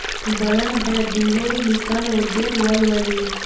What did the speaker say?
ژباړن باید د نورو لیکنې ډېرې ولولي.